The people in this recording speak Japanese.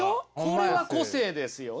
これは個性ですよ！